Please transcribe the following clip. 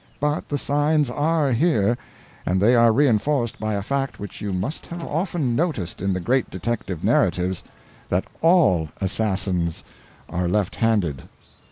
But the signs are here, and they are reinforced by a fact which you must have often noticed in the great detective narratives that all assassins are left handed."